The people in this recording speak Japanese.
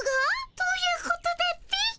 どういうことだっピ？